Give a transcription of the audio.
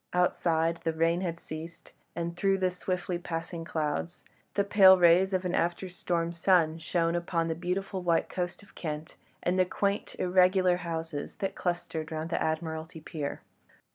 Outside the rain had ceased, and through the swiftly passing clouds, the pale rays of an after storm sun shone upon the beautiful white coast of Kent and the quaint, irregular houses that clustered round the Admiralty Pier.